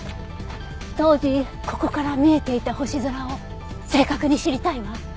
当時ここから見えていた星空を正確に知りたいわ。